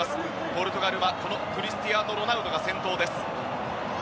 ポルトガルはクリスティアーノ・ロナウドが先頭です。